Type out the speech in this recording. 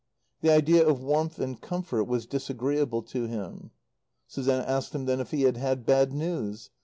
The idea of warmth and comfort was disagreeable to him. Suzanne asked him then if he had had bad news?